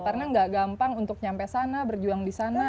karena gak gampang untuk nyampe sana berjuang di sana